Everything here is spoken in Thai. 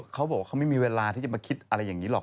เขาบอกว่าเขาไม่มีเวลาที่จะมาคิดอะไรอย่างนี้หรอก